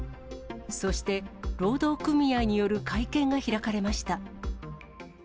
そして、労働組合による会見が開かれました。